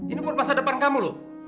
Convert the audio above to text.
ini buat masa depan kamu loh